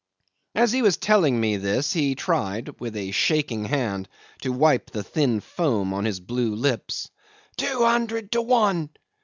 'As he was telling me this he tried with a shaking hand to wipe the thin foam on his blue lips. "Two hundred to one.